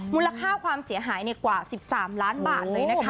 มูลค่าความเสียหายกว่า๑๓ล้านบาทเลยนะคะ